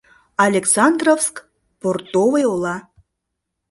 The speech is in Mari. Александровск — портовый ола.